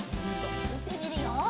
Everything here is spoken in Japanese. いってみるよ。